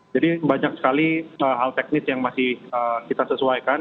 jadi banyak sekali hal teknis yang masih kita sesuaikan